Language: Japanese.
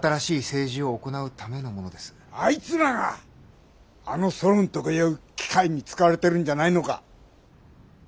あいつらがあのソロンとかいう機械に使われてるんじゃないのか！